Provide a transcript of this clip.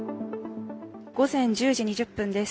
午前１０時２０分です。